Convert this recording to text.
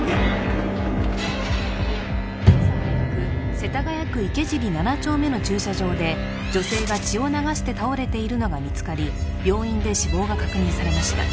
世田谷区池尻７丁目の駐車場で女性が血を流して倒れているのが見つかり病院で死亡が確認されました